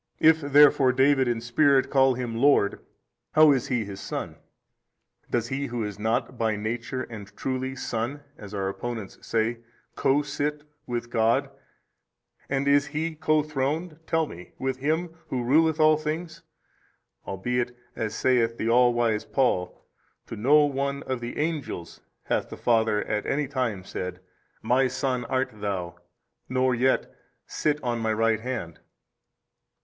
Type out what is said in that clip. if therefore David in spirit 25 call Him Lord, how is He his Son? does he who is not by Nature and truly Son (as our opponents say) co sit with God, and is he co Throned (tell me) with Him Who ruleth all things? albeit, as saith the all wise Paul, to no one of the angels hath the Father at any time said, My Son art THOU, nor yet, Sit on My Right Hand.